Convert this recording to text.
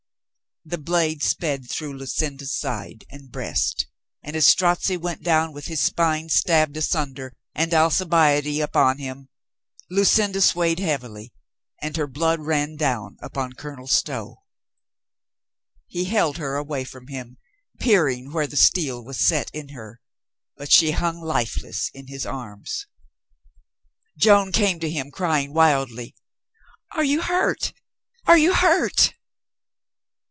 The blade sped through Lu cinda's side and breast and as Strozzi went down with his spine stabbed asunder and Alcibiade upon him, Lucinda swayed heavily, and her blood ran down upon Colonel Stow. He held her away from him, peering where the steel was set in her, but she hung lifeless in his arms. Joan came to him, crying wildly, "Are you hurt? Are you hurt?"